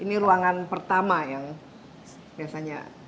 ini ruangan pertama yang biasanya